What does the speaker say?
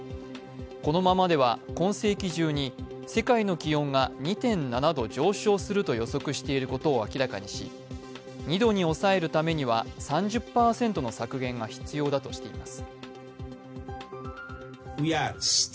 このままでは今世紀中に世界の気温が２．７ど上昇すると予測していることを明らかにし、２度に抑えるためには３０％の削減が必要だとしています。